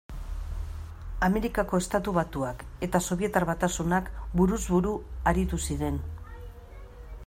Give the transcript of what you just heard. Amerikako Estatu Batuak eta Sobietar Batasunak buruz buru aritu ziren.